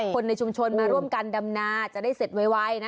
คนในชุมชนมาร่วมกันดำนาจะได้เสร็จไว